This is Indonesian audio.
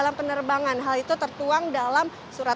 jadi pengguna berusaha untuk mengembangkan untuk sejarah tentang kumur ini